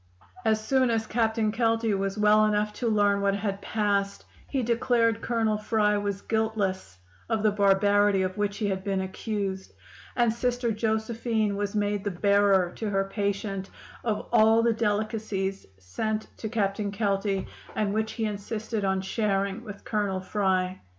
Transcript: "As soon as Captain Kelty was well enough to learn what had passed, he declared Colonel Fry was guiltless of the barbarity of which he had been accused. And Sister Josephine was made the bearer to her patient of all the delicacies sent to Captain Kelty, and which he insisted on sharing with Colonel Fry.